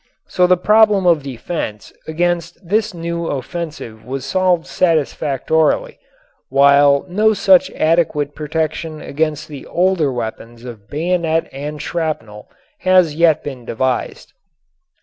So the problem of defense against this new offensive was solved satisfactorily, while no such adequate protection against the older weapons of bayonet and shrapnel has yet been devised.